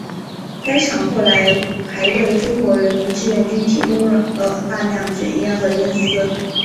该厂后来还为中国人民志愿军提供了大量卷烟和烟丝。